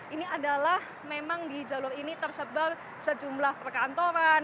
ini adalah memang di jalur ini tersebar sejumlah perkantoran